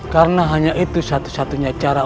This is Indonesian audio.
karena hanya itu satu satunya cara